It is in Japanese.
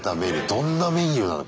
どんなメニューなの？